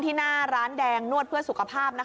หน้าร้านแดงนวดเพื่อสุขภาพ